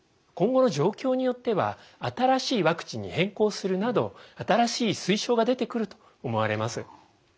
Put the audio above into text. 今後の状況によっては新しいワクチンに変更するなど新しい推奨が出てくると思われます。